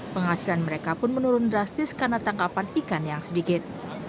penghasilan mereka pun menurun drastis karena tangkapan ikan yang sedikit